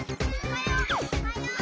・おはよう。